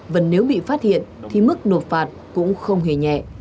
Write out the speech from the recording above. và nếu bị phát hiện thì mức nộp phạt cũng không hề nhẹ